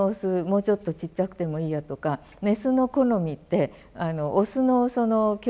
もうちょっとちっちゃくてもいいやとかあっそうなの。